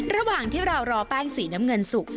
ระหว่างที่เรารอแป้งสีน้ำเงินสุก